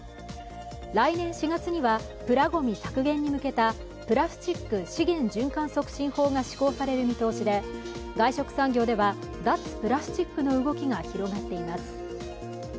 来年４月にはプラごみ削減に向けたプラスチック資源循環促進法が施行される見通しで外食産業では脱プラスチックの動きが広がっています。